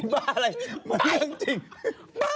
เพื่อนอิ่บ่า